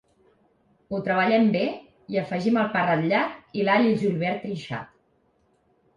Ho treballem bé, hi afegim el pa ratllat i l’all i julivert trinxat.